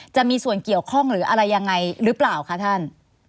จะมีส่วนเกี่ยวข้องหรืออะไรยังไงหรือเปล่าคะท่าน